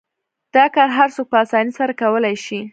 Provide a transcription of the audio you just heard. دا کار هر څوک په اسانۍ سره کولای شي.